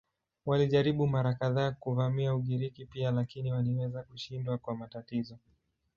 Walijaribu mara kadhaa kuvamia Ugiriki pia lakini waliweza kushindwa kwa matatizo.